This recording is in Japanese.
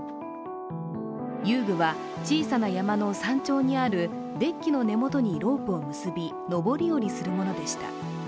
遊具は小さな山の山頂にあるデッキの根元にロープを結び登り降りするものでした。